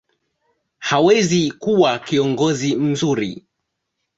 hawezi kuwa kiongozi mzuri.